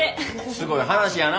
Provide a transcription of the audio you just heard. すごい話やな。